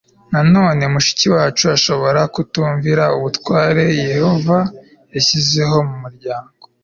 Nanone mushiki wacu ashobora kutumvira ubutware Yehova yashyizeho mu muryango